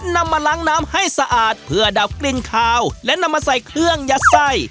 นำมาล้างน้ำให้สะอาดเพื่อดับกลิ่นขาวและนำมาใส่เครื่องยัดไส้